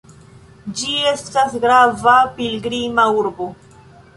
Ĝi estas grava pilgrima urbo.